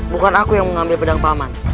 bukan aku yang mengambil pedang pak man